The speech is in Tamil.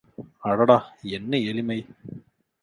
அடடா என்ன எளிமை.